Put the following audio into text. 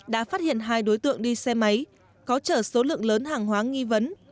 đã phát hiện hai đối tượng đi xe máy có chở số lượng lớn hàng hóa nghi vấn